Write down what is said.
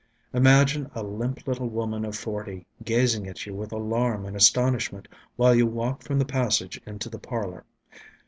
Imagine a limp little woman of forty, gazing at you with alarm and astonishment while you walk from the passage into the parlour.